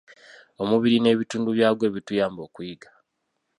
Omubiri n'ebitundu byagwo ebituyamba okuyiga.